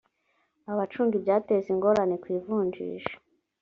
abacunga ibyateza ingorane ku ivunjisha